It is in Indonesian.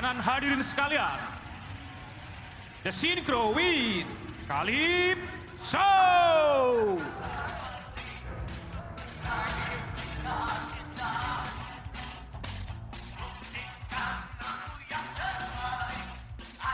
dan kedisiplinan dalam mempertahankan posisi sehingga selalu indah dipandang mata